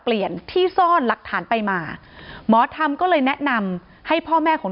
เปลี่ยนที่ซ่อนหลักฐานไปมาหมอธรรมก็เลยแนะนำให้พ่อแม่ของ